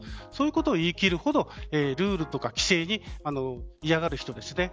そういうことを言い切るほどルールとか規制を嫌がる人ですね。